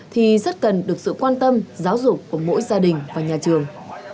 thì rất cần được sự quan tâm giáo dục của mỗi gia đình và nhà trường